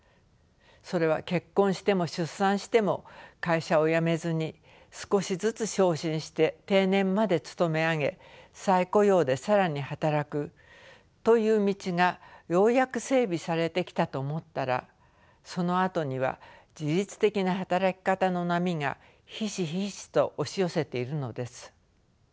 それは結婚しても出産しても会社を辞めずに少しずつ昇進して定年まで勤め上げ再雇用で更に働くという道がようやく整備されてきたと思ったらそのあとには自律的な働き方の波がひしひしと押し寄せているのです。